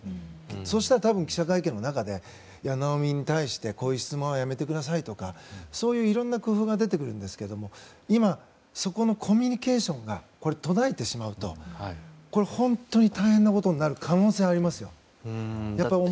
そしたら、多分記者会見の中でなおみに対してこういう質問はやめてくださいとかいろんな工夫が出てくるんですけれども今、そこのコミュニケーションが途絶えてしまうと本当に大変なことになる可能性があります。